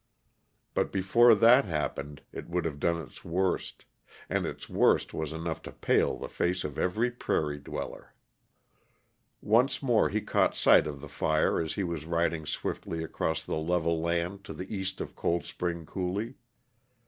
But before that happened it would have done its worst and its worst was enough to pale the face of every prairie dweller. Once more he caught sight of the fire as he was riding swiftly across the level land to the east of Cold Spring Coulee.